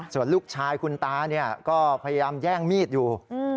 ส่วนลูกชายคุณตาก็พยายามแย่งมีดอยู่